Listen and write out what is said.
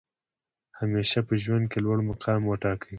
همېشه په ژوند کښي لوړ مقام وټاکئ!